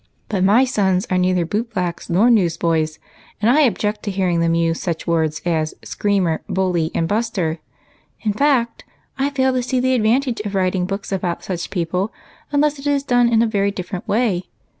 " But my sons are neither boot blacks nor news boys, and I object to hearing them use such words as * screamer,' 'bully,' and 'buster.' In fact, I fail to see the advantage of writing books about such people 198 EIGHT COUSINS. unless it is done in a very different way.